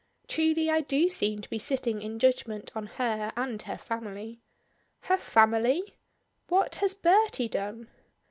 "Truly I do seem to be sitting in judgment on her and her family." "Her family! What has Bertie done?"